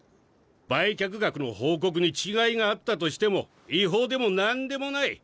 売却額の報告に違いがあったとしても違法でもなんでもない。